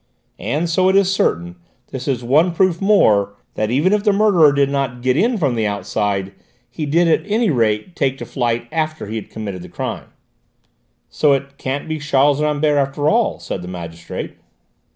And so it is certain this is one proof more that even if the murderer did not get in from outside, he did at any rate take to flight after he had committed the crime." "So it can't be Charles Rambert after all," said the magistrate.